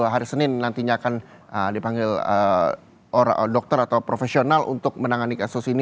hari senin nantinya akan dipanggil dokter atau profesional untuk menangani kasus ini